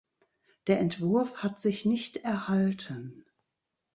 Der Entwurf hat sich nicht erhalten.